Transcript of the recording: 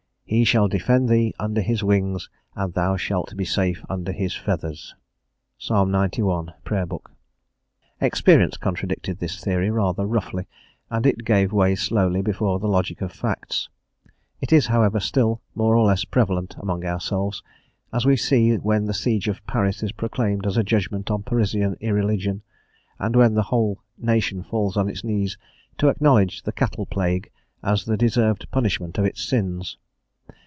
He shall defend thee under his wings, and thou shalt be safe under his feathers." (Ps. xci., Prayer Book.) Experience contradicted this theory rather roughly, and it gave way slowly before the logic of facts; it is, however, still more or less prevalent among ourselves, as we see when the siege of Paris is proclaimed as a judgment on Parisian irreligion, and when the whole nation falls on its knees to acknowledge the cattle plague as the deserved punishment of its sins!